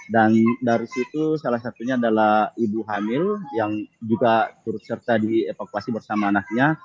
dan dari situ salah satunya adalah ibu hamil yang juga turut serta dievakuasi bersama anaknya